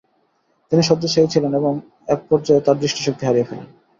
তিনি শয্যাশায়ী ছিলেন ও একপর্যায়ে তার দৃষ্টিশক্তি হারিয়ে ফেলেন ।